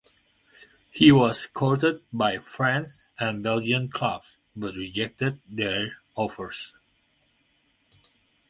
He was courted by French and Belgian clubs but rejected their offers.